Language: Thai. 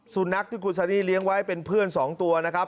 สุนัขที่คุณซารี่เลี้ยงไว้เป็นเพื่อน๒ตัวนะครับ